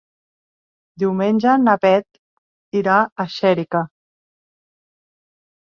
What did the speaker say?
Diumenge na Beth irà a Xèrica.